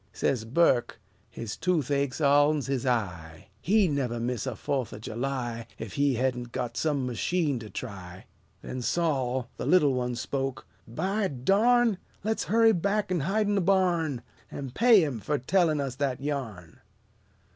Says Burke, "His toothache's all'n his eye! He never'd miss a Fo'th o' July, Ef he hedn't got some machine to try." Then Sol, the little one, spoke: "By darn! Le's hurry back an' hide'n the barn, An' pay him fur tellin' us that yarn!"